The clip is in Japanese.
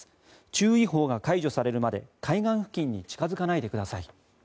注意報が解除されるまで海岸付近に近付かないでください。